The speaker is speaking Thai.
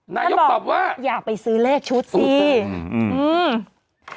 นายกตอบว่าอย่าไปซื้อเลขชุดสิอืม